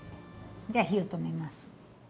じゃ火を止めます。